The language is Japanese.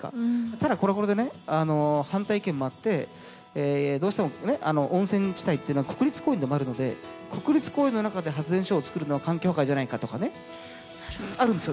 ただこれもこれでね反対意見もあってどうしても温泉地帯っていうのは国立公園でもあるので国立公園の中で発電所を作るのは環境破壊じゃないかとかねあるんですよ。